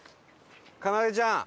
かなでちゃん！